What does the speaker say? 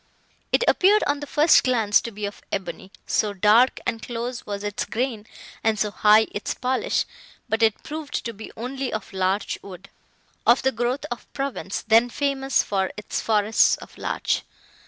It appeared, on the first glance, to be of ebony, so dark and close was its grain and so high its polish; but it proved to be only of larch wood, of the growth of Provence, then famous for its forests of larch.